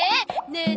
ねえ